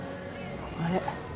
あれ？